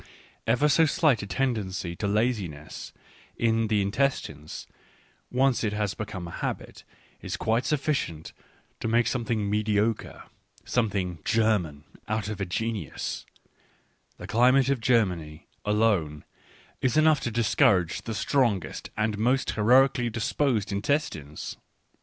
... QEver so slight a tendency to laziness in the intestines, once it has become a habit, is quite sufficient to make something mediocre, something " German " out of a geniuspthe climate of Germany, alone, is enough to discourage the strongest and most heroically disposed intestines.